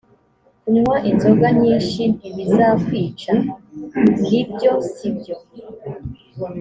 kunywa inzoga nyinshi ntibizakwica‽ ni byo si byo‽